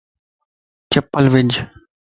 چپل وج